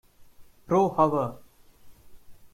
Pro Hour.